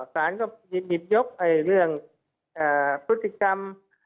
สารก็หยิบยกเรื่องพฤติกรรม